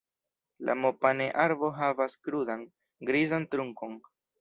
La mopane-arbo havas krudan, grizan trunkon.